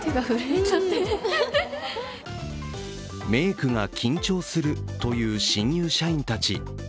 メイクが緊張するという新入社員たち。